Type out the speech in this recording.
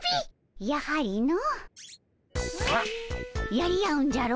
やり合うんじゃろ？